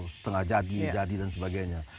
setengah jadi jadi dan sebagainya